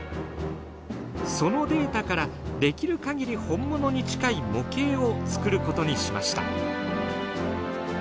そのデータからできるかぎり本物に近い模型を作ることにしました。